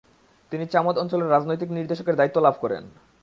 তিনি চামদ অঞ্চলের রাজনৈতিক নির্দেশকের দায়িত্ব লাভ করেন।